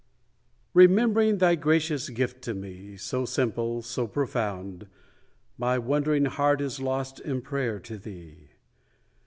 V Remembering thy gracious gift to me, So simple, so profound, My wondering heart is lost in prayer to thee.